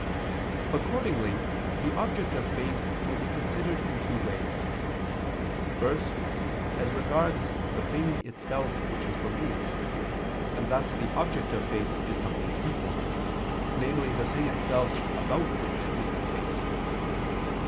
Accordingly the object of faith may be considered in two ways. First, as regards the thing itself which is believed, and thus the object of faith is something simple, namely the thing itself about which we have faith.